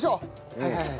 はいはいはい。